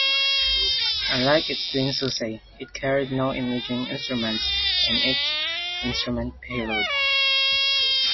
Unlike its twin "Suisei", it carried no imaging instruments in its instrument payload.